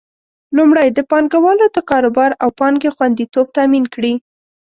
لومړی: د پانګوالو د کاروبار او پانګې خوندیتوب تامین کړي.